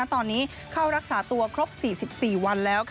ตอนนี้เข้ารักษาตัวครบ๔๔วันแล้ว